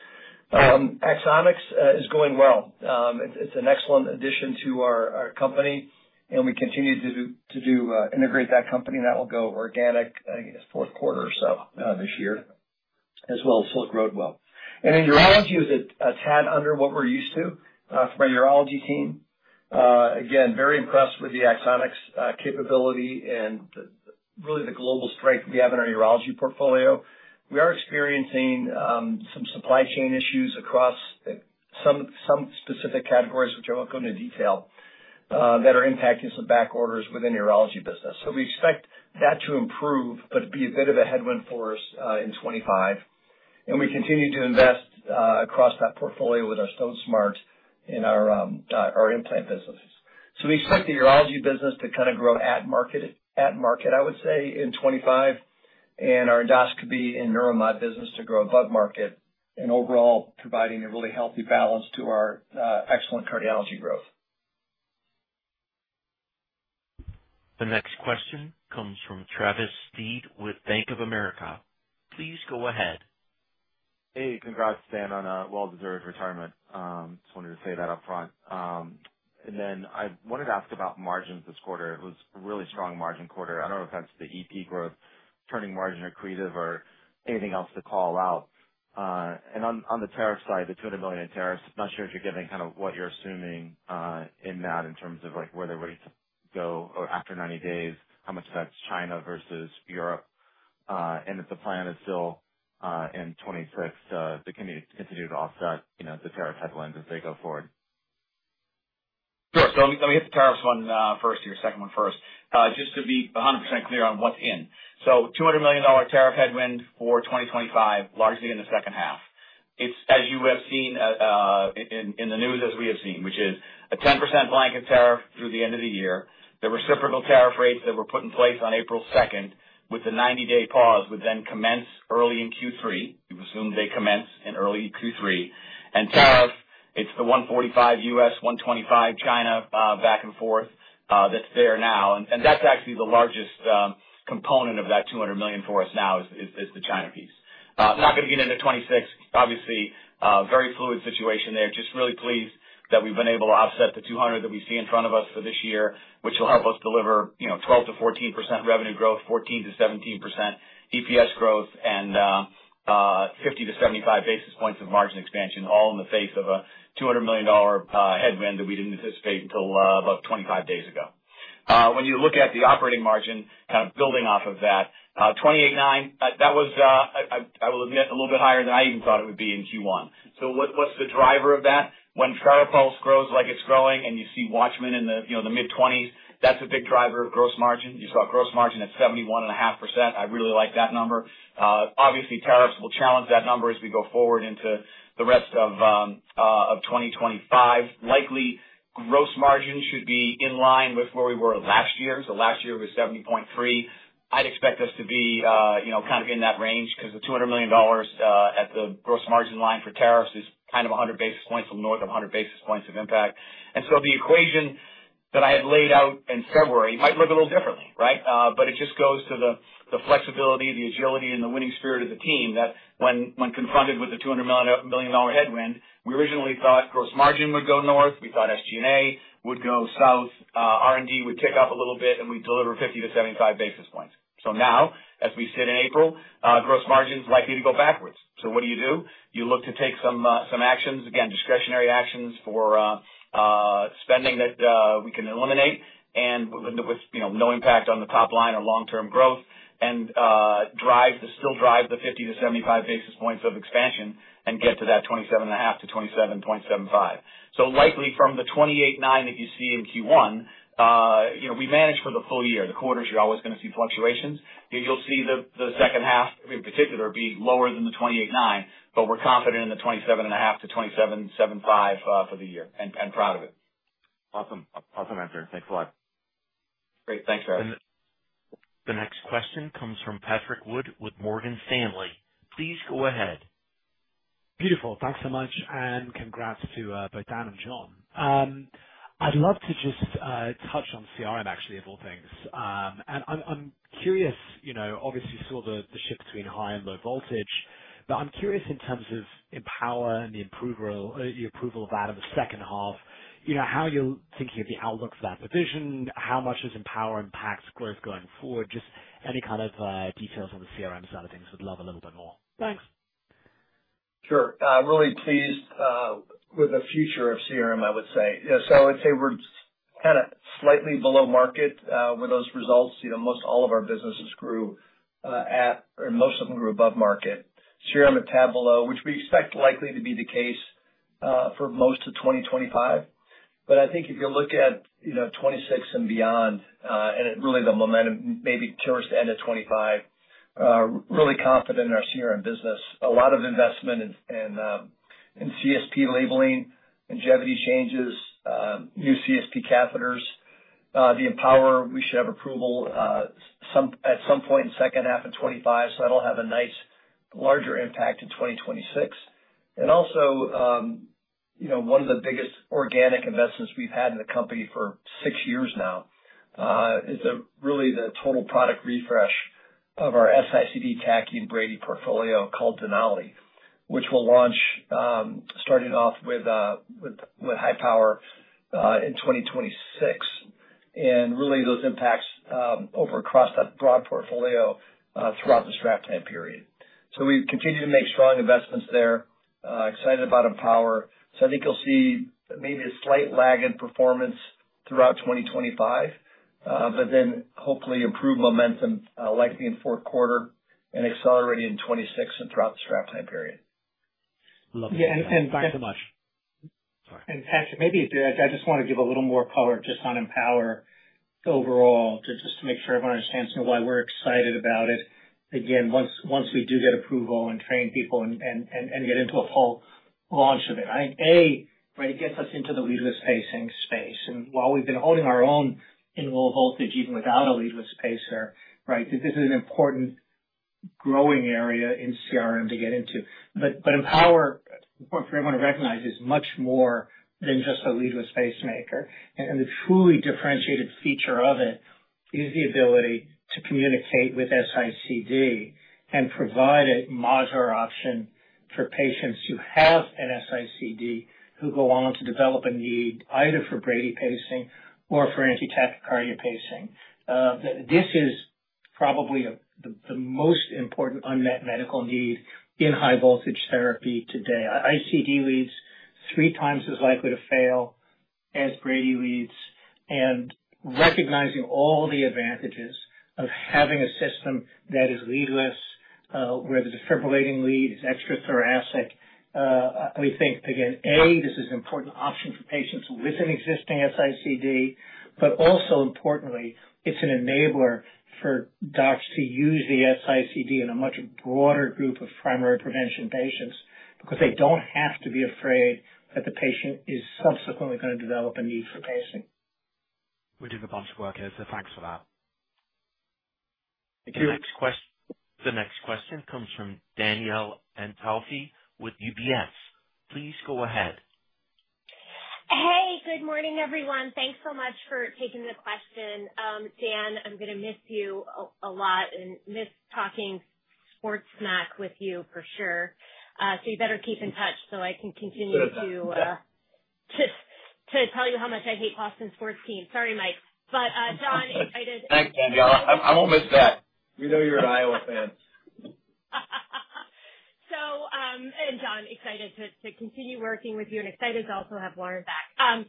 Axonics is going well. It's an excellent addition to our company and we continue to integrate that company that will go organic I guess fourth quarter or so this year as well as Silk Road Medical and in Urology is a tad under what we're used to from our Urology team, again very impressed with the Axonics capability and really the global strength we have in our urology portfolio. We are experiencing some supply chain issues across some specific categories which I won't go into detail that are impacting some backorders within urology business. We expect that to improve but be a bit of a headwind for us in 2025 and we continue to invest across that portfolio with our StoneSmart in our implant businesses. We expect the urology business to kind of grow at market, at market I would say in 2025, and our endoscopy and neuromod business to grow above market and overall, providing a really healthy balance to our excellent cardiology growth. The next question comes from Travis Steed with Bank of America. Please go ahead. Hey, congrats Dan, on a well deserved retirement. Just wanted to say that up front and then I wanted to ask about margins this quarter. It was a really strong margin quarter. I don't know if that's the EP growth, turning margin accretive or anything else to call out. On the tariff side, the $200 million in tariffs, not sure if you're giving kind of what you're assuming in that in terms of like where they're ready to go after 90 days. How much that's China versus Europe and if the plan is still in 2026, they continue to offset the tariff headwinds as they go forward. Sure. Let me hit the tariffs one first. Your second one first. Just to be 100% clear on what's in, so $200 million tariff headwind, 2025, largely in the second half. It's as you have seen in the news, as we have seen, which is a 10% blanket tariff through the end of the year. The reciprocal tariff rates that were put in place on April 2 with the 90 day pause would then commence early in Q3. We assume they commence in early Q3 and tariff. It's the 145 U.S., 125 China back and forth that's there now and that's actually the largest component of that $200 million for us. Now is the China piece not going to get into 2026? Obviously very fluid situation there. Just really pleased that we've been able to offset the $200 million that we see in front of us for this year, which will help us deliver 12-14% revenue growth, 14-17% EPS growth and 50-75 basis points of margin expansion, all in the face of a $200 million headwind that we didn't anticipate until about 25 days ago. When you look at the operating margin kind of building off of that 28.9, that was, I will admit, a little bit higher than I even thought it would be in Q1. What's the driver of that? When FARAPULSE grows like it's growing and you see WATCHMAN in the mid-20s, that's a big driver of gross margin. You saw gross margin at 71.5%. I really like that number. \ Obviously tariffs will challenge that number as we go forward into the rest of 2025. Likely gross margin should be in line with where we were last year. Last year was 70.3. I'd expect us to be, you know, kind of in that range because the $200 million at the gross margin line for tariffs is kind of 100 basis points north of 100 basis points of impact. The equation that I had laid out in February might look a little differently. Right? It just goes to the flexibility, the agility and the winning spirit of the team that when confronted with the $200 million headwinds, we originally thought gross margin would go north, we thought SG&A would go south, R&D would tick up a little bit and we'd deliver 50 to 75 basis points. Now as we sit in April, gross margin is likely to go backwards. What do you do? You look to take some actions, again, discretionary actions for spending that we can eliminate and with no impact on the top line or long term growth and still drive the 50 to 75 basis points of expansion and get to that 27.5-27.75. Likely from the 28.90% that you see in Q1, you know, we manage for the full year, the quarters, you're always going to see fluctuations. You'll see the second half in particular be lower than the 28.9, but we're confident in the 27.5-27.75 for the year and proud of it. Awesome, awesome answer. Thanks a lot. Great, thanks. The next question comes from Patrick Wood with Morgan Stanley. Please go ahead. Beautiful. Thanks so much and congrats to both Dan and Jon. I'd love to just touch on CRM. Actually, of all things. I'm curious, you know, obviously saw the shift between high and low voltage. I'm curious in terms of EMPOWER and the approval of that in the second half, you know, how you're thinking of the outlook for that division, how much does EMPOWER impact growth going forward? Just any kind of details on the CRM side of things. Would love a little bit more. Thanks. Sure. Really pleased with the future of CRM. I would say we're kind of slightly below market with those results. You know, most all of our businesses grew at or most of them grew above market, CRM and TAVR, which we expect likely to be the case for most of 2025. I think if you look at, you know, 2026 and beyond and really the momentum may be towards the end of 2025, really confident in our CRM business. A lot of investment in CSP labeling, longevity changes, new CSP catheters, the EMPOWER we should have approval at some point in second half of 2025, so that'll have a nice larger impact in 2026. Also, one of the biggest organic investments we've had in the company for six years now is really the total product refresh of our S-ICD Tachy and Brady portfolio called Denali, which will launch starting off with high power in 2026 and really those impacts over across that broad portfolio throughout this draft time period. We continue to make strong investments there. Excited about EMPOWER. I think you'll see maybe a slight lag in performance throughout 2025, but then hopefully improved momentum likely in fourth quarter and accelerating in 2026 and throughout the strat plan period. Thanks so much and Patrick, maybe I just want to give a little more color just on EMPOWER overall just to make sure everyone understands why we're excited about it. Again once we do get approval and train people and get into a full launch of it. I think it gets us into the leadless pacing space and while we've been holding our own in low voltage even without a leadless pacer, right. This is an important growing area in CRM to get into. EMPOWER for everyone to recognize is much more than just a leadless pacemaker and the truly differentiated feature of it is the ability to communicate with S-ICD and provide a modular option for patients who have an S-ICD who go on to develop a need either for Brady pacing or for anti tachycardia pacing. This is probably the most important unmet medical need in high voltage therapy today. ICD leads three times as likely to fail as Brady leads. Recognizing all the advantages of having a system that is leadless where the defibrillating lead is extra thoracic, we think again this is an important option for patients with an existing S-ICD, but also importantly it's an enabler for docs to use the S-ICD in a much broader group of primary prevention patients, because they don't have to be afraid that the patient is subsequently going to develop a need for pacing. We did a bunch of work here. Thanks for that. Thank you. The next question comes from Danielle Antalffy with UBS. Please go ahead. Hey, good morning everyone. Thanks so much for taking the question. Dan, I'm going to miss you a lot and miss talking sports smack with you for sure. You better keep in touch so I can continue to tell you how much I hate Boston Sports Team. Sorry Mike, but Jon, Thanks Danielle. I won't miss that. We know you're an Iowa fan. Jon, excited to continue working with you and excited to also have Lauren back.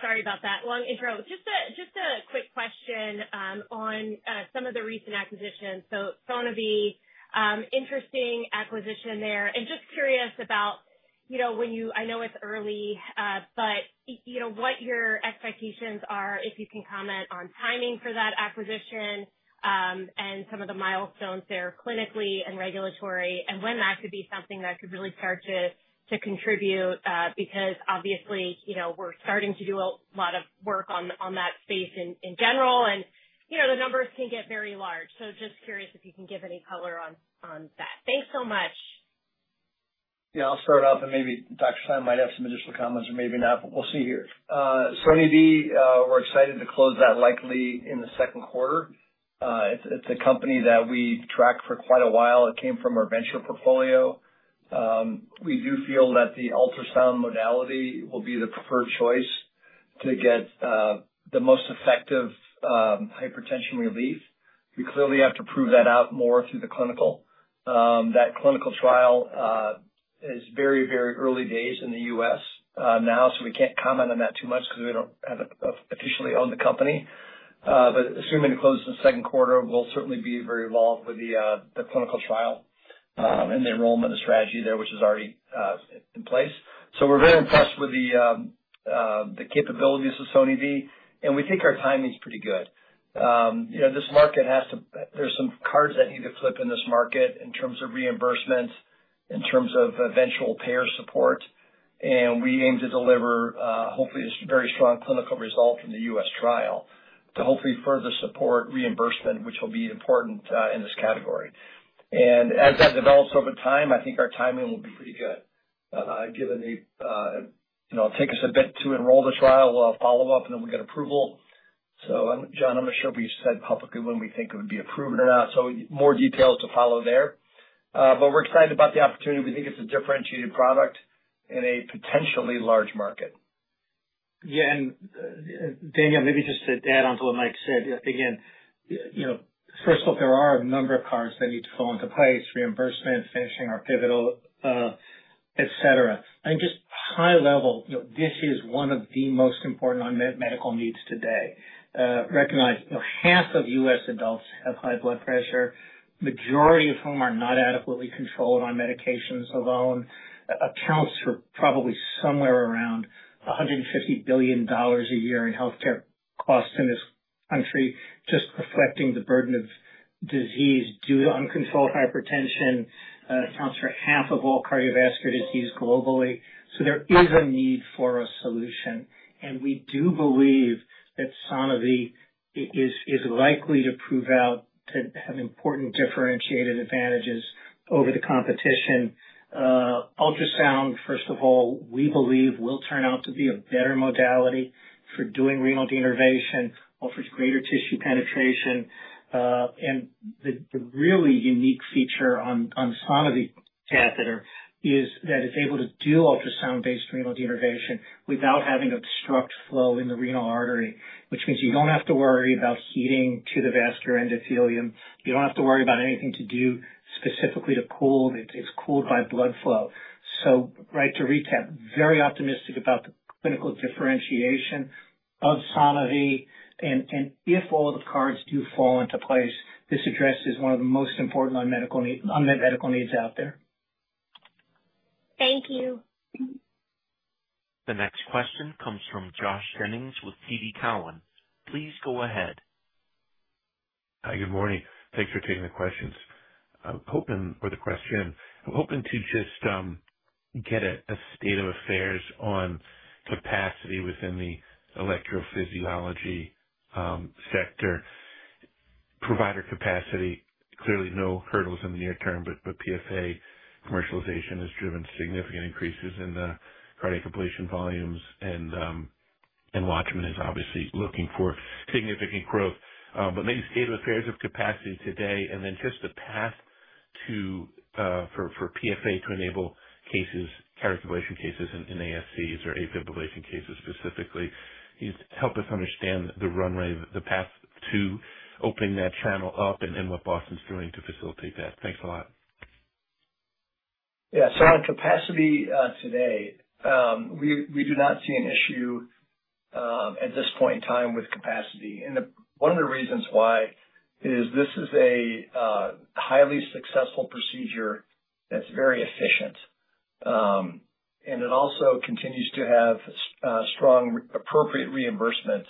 Sorry about that long intro. Just a quick question on some of the recent acquisitions. SoniVie, interesting acquisition there and just curious about, you know, when you, I know it's early, but you know, what your expectations are. If you can comment on timing for that acquisition and some of the milestones there, clinically and regulatory and when that could be something that could really start to contribute because obviously, you know, we're starting to do a lot of work on that space in general and the numbers can get very large. Just curious if you can give any color on that. Thanks so much. Yeah, I'll start off and maybe Dr. Stein might have some additional comments or maybe not, but we'll see here. SoniVie, we're excited to close that likely in the second quarter. It's a company that we tracked for quite a while. It came from our venture portfolio. We do feel that the ultrasound modality will be the preferred choice to get the most effective hypertension relief. We clearly have to prove that out more through the clinical. That clinical trial is very, very early days in the U.S. now, so we can't comment on that too much because we don't have officially owned the company. Assuming it closes in the second quarter, we'll certainly be very involved with the clinical trial and the enrollment of strategy there, which is already, so we're very impressed with the capabilities of SoniVie and we think our timing is pretty good. You know, this market has to, there's some cards that need to flip in this market in terms of reimbursement, in terms of eventual payer support. We aim to deliver hopefully a very strong clinical result from the U.S. trial to hopefully further support reimbursement, which will be important in this category as that develops over time. I think our timing will be pretty good given the, you know, it'll take us a bit to enroll the trial, follow up, and then we'll get approval. Jon, I'm not sure if we said publicly when we think it would be approved or not, so more details to follow there, but we're excited about the opportunity. We think it's a differentiated product in a potentially large market. Yeah. Daniel, maybe just to add on to what Mike said again, first off, there are a number of cards that need to fall into place. Reimbursement, finishing our pivotal, et cetera and just high level. This is one of the most important unmet medical needs today. Recognize half of U.S. adults have high blood pressure, majority of whom are not adequately controlled on medications alone accounts for probably somewhere around $150 billion a year in healthcare costs in this country. Just reflecting the burden of disease due to uncontrolled hypertension accounts for half of all cardiovascular disease globally. There is a need for a solution and we do believe that SoniVie is likely to prove out to have important differentiated advantages over the competition. Ultrasound, first of all, we believe will turn out to be a better modality for doing renal denervation. Offers greater tissue penetration and the really unique feature on the SoniVie catheter is that it's able to do ultrasound based renal denervation without having to obstruct flow in the renal artery. Which means you don't have to worry about heating to the vascular endothelium. You do not have to worry about anything to do specifically to cool. It is cooled by blood flow. Right. To recap, very optimistic about the clinical differentiation of SoniVie. If all the cards do fall into place, this addresses one of the most important unmet medical needs out there. Thank you. The next question comes from Josh Jennings with TD Cowen. Please go ahead. Hi, good morning. Thanks for taking the questions I'm hoping for. The question I'm hoping to just get a state of affairs on capacity within the electrophysiology sector. Provider capacity, clearly no hurdles in the near term. PFA commercialization has driven significant increases in cardiac ablation volumes and WATCHMAN is obviously looking for significant growth. Many state of affairs of capacity today and then just the path to for PFA to enable cases, cardiac ablation cases in ASCs or AFib ablation cases specifically. Help us understand the runway, the path to opening that channel up and what Boston's doing to facilitate that. Thanks a lot. On capacity today, we do not see an issue at this point in time with capacity and one of the reasons why is this is a highly successful procedure that's very efficient and it also continues to have strong appropriate reimbursement.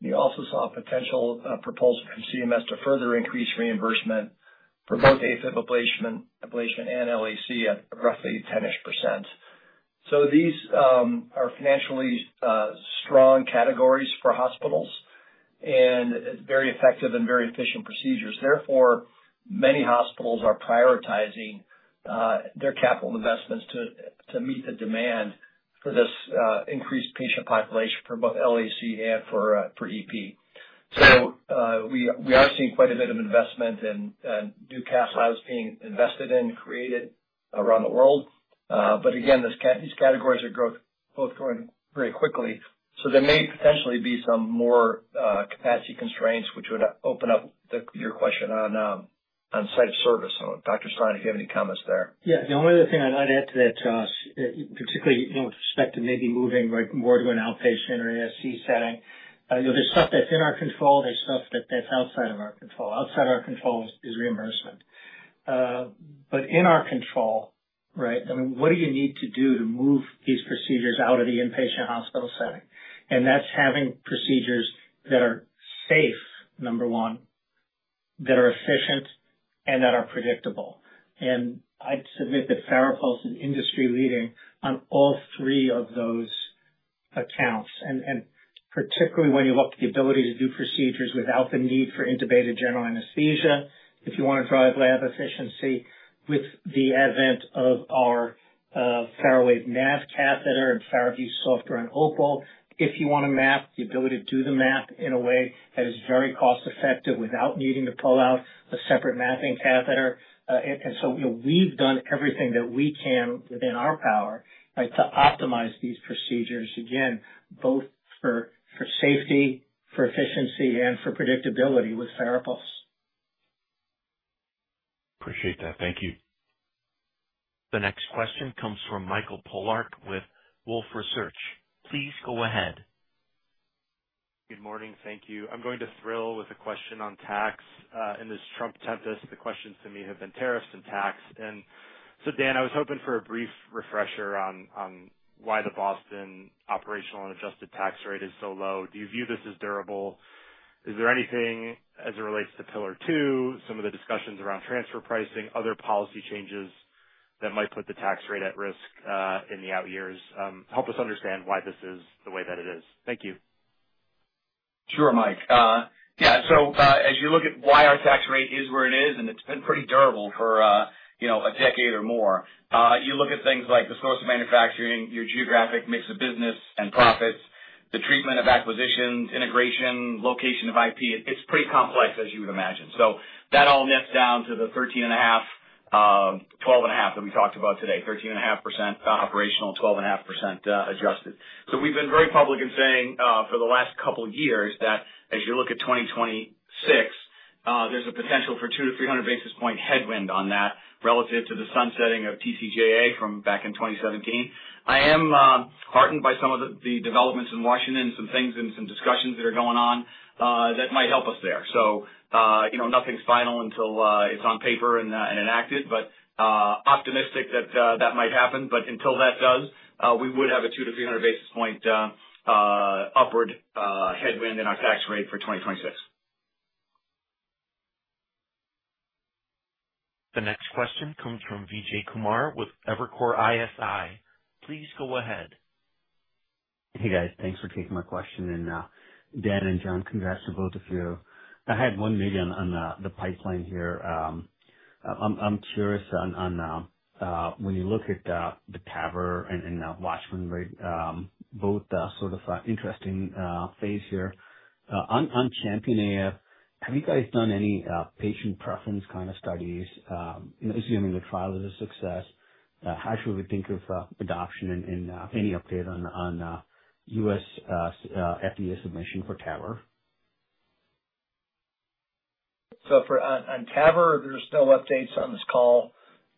We also saw a potential proposal from CMS to further increase reimbursement for both AFib ablation and LAAC at roughly 10%ish. These are financially strong categories for hospitals and very effective and very efficient procedures. Therefore, many hospitals are prioritizing their capital investments to meet the demand for this increased patient population for both LAAC and for EP. We are seeing quite a bit of investment in new cath labs being created around the world. Again, these categories are growth, both going very quickly. There may potentially be some more capacity constraints which would open up your question on site of service. Dr. Stein, if you have any comments there. Yeah. The only other thing I'd add to that, particularly with respect to maybe moving more to an outpatient or ASC setting, there's stuff that's in our control, there's stuff that's outside of our control. Outside our control is reimbursement. In our control, what do you need to do to move these procedures out of the inpatient hospital setting? That's having procedures that are safe, number one, that are efficient and that are predictable. I'd submit that FARAPULSE is industry leading on all three of those accounts. Particularly when you look at the ability to do procedures without the need for intubated general anesthesia, if you want to drive lab efficiency with the advent of our FARAWAVE NAV catheter and FARAVIEW software, and OPAL, if you want to map the ability to do the map in a way that is very cost effective without needing to pull out a separate mapping catheter. We have done everything that we can within our power to optimize these procedures, again, both for safety, for efficiency and for predictability with FARAPULSE. Appreciate that. Thank you. The next question comes from Michael Polark with Wolfe Research. Please go ahead. Good morning. Thank you. I'm going to thrill with a question on tax. In this Trump tempest, the questions to me have been tariffs and tax. Dan, I was hoping for a brief refresher on why the Boston operational and adjusted tax rate is so low. Do you view this as durable? Is there anything as it relates to Pillar II? Some of the discussions around transfer pricing, other policy changes that might put the tax rate at risk in the out years, help us understand why this is the way that it is. Thank you. Sure, Mike. Yeah. As you look at why our tax rate is where it is and it's been pretty durable for, you know, a decade or more. You look at things like the source of manufacturing, your geographic mix of business and profits, the treatment of acquisitions, integration, location of IP, it's pretty complex as you would imagine. That all nets down to the 13.5, 12.5 that we talked about today. 13.5% operational, 12.5% adjusted. We've been very public in saying for the last couple years that as you look at 2020, there's a potential for 200-300 basis point headwind on that relative to the sunsetting of TCJA from back in 2017. I am heartened by some of the developments in Washington, some things and some discussions that are going on that might help us there. You know, nothing's final until it's on paper and enacted, but optimistic that that might happen. Until that does, we would have a 200-300 basis point upward headwind in our tax rate for 2026. The next question comes from Vijay Kumar with Evercore ISI, please go ahead. Hey guys, thanks for taking my question. Dan and Jon, congrats to both of you. I had one million on the pipeline here. I'm curious on when you look at the TAVR and WATCHMAN, both sort of interesting phase on CHAMPION-AF, have you guys done any patient preference kind of studies? Assuming the trial is a success, how should we think of adoption in any update on U.S. FDA submission for TAVR. On TAVR there's no updates on this call.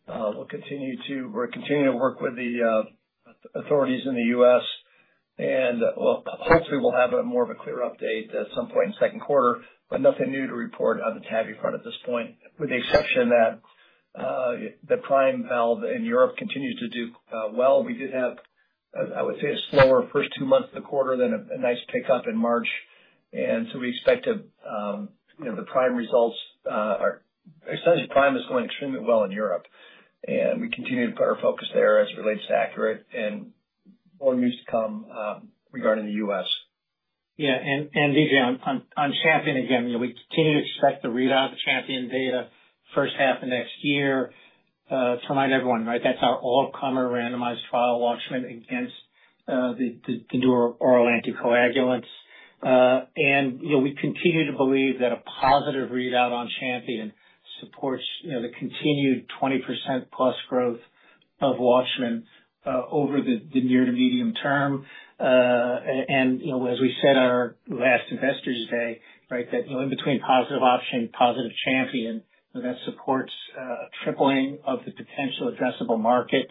We're continuing to work with the authorities in the U.S. and hopefully we'll have more of a clear update at some point in second quarter. Nothing new to report on the TAVR front at this point with the exception that the Prime valve in Europe continues to do well. We did have, I would say, a slower first two months of the quarter, then a nice pickup in March. We expect the Prime results, our extension Prime is going extremely well in Europe and we continue to put our focus there as it relates to ACURATE and more news to come regarding the U.S. Yeah, and Vijay, on CHAMPION, again, we continue to expect the readout of the CHAMPION data first half of next year, to remind everyone. Right, that's our all-comer randomized trial, WATCHMAN against the new oral anticoagulants, and we continue to believe that a positive readout on CHAMPION supports the continued 20%+ growth of WATCHMAN over the near to medium term. As we said at our last investors day, in between positive OPTION, positive CHAMPION, that supports a tripling of the potential addressable market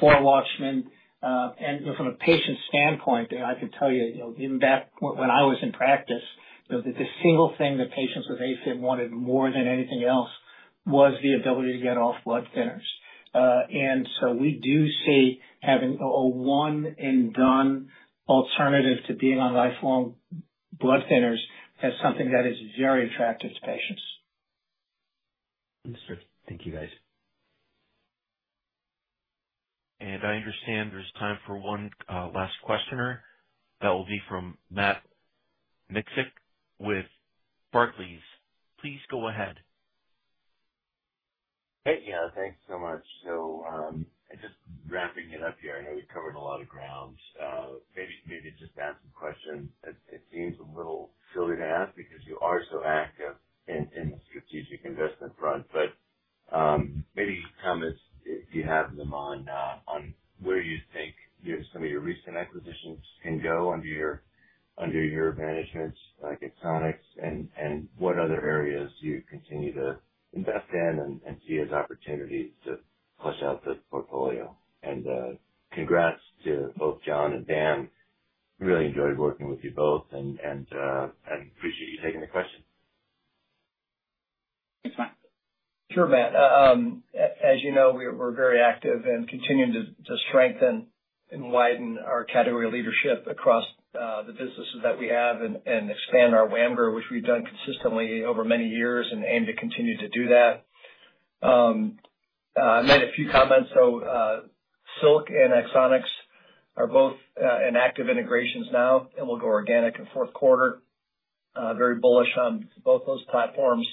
for WATCHMAN. From a patient standpoint, I can tell you, even back when I was in practice, the single thing that patients with AFib wanted more than anything else was the ability to get off blood thinners. We do see having a one-and-done alternative to being on lifelong blood thinners as something that is very attractive to patients. Thank you guys. I understand there's time for one last questioner. That will be from Matt Miksic with Barclays. Please go ahead. Hey yeah, thanks so much. Just wrapping it up here. I know we covered a lot of ground. Maybe just ask a question. It seems a little silly to ask because you are so active in the strategic investment. Front, but maybe comments if you have them on where you think some of your recent acquisitions can go under your management like Axonics and what other areas you continue to invest in and see as opportunities to flesh out the portfolio. Congrats to both Jon and Dan. Really enjoyed working with you both. Appreciate you taking the question. Sure Matt. As you know, we're very active in continuing to strengthen and widen our category leadership across the businesses that we have and expand our WAM growth, which we've done consistently over many years and aim to continue to do that. I made a few comments. Silk Road Medical and Axonics are both in active integrations now and will go organic in fourth quarter. Very bullish on both those platforms.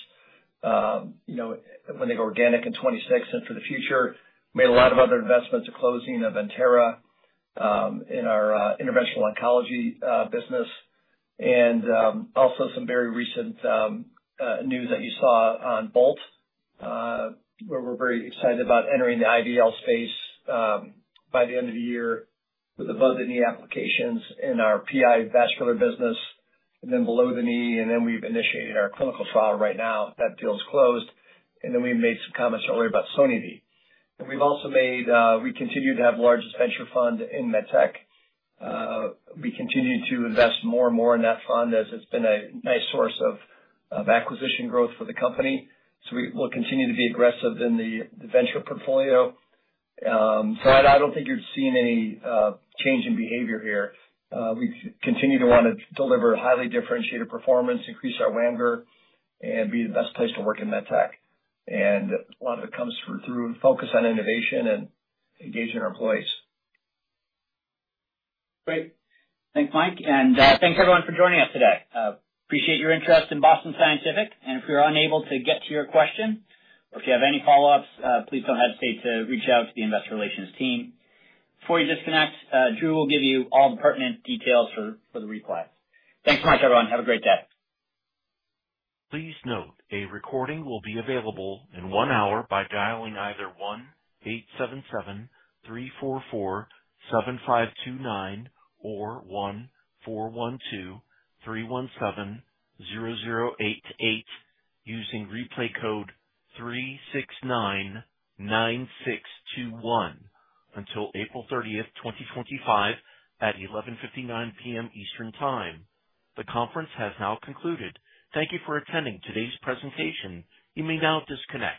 You know when they go organic in 2026 and for the future made a lot of other investments closing of Intera in our interventional oncology business. Also some very recent news that Volta Medical where we're very excited about entering the IVL space by the end of the year with above the knee applications in our PI vascular business and then below the knee and then we've initiated our clinical trial. Right now that deal is closed. We made some comments earlier about SoniVie and we also continue to have the largest venture fund in MedTech. We continue to invest more and more in that fund as it's been a nice source of acquisition growth for the company. We will continue to be aggressive in the venture portfolio. I don't think you're seeing any change in behavior here. We continue to want to deliver highly differentiated performance, increase our WAM growth and be the best place to work in MedTech. A lot of it comes through focus on innovation and engaging our employees. Great. Thanks Mike and thanks everyone for joining us today. Appreciate your interest in Boston Scientific and if we are unable to get to your question or if you have any follow ups, please do not hesitate to reach out to the investor relations team before you disconnect. Drew will give you all the pertinent details for the replies. Thanks so much everyone. Have a great day. Please note a recording will be available in one hour by dialing either 1-877-344-7529 or 1-412-317-0088 using replay code 369-9621 until April 30, 2025 at 11:59 P.M. Eastern Time. The conference has now concluded. Thank you for attending today's presentation. You may now disconnect.